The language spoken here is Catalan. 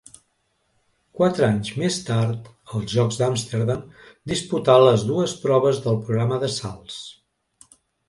Quatre anys més tard als Jocs d'Amsterdam, disputà les dues proves del programa de salts.